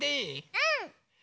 うん！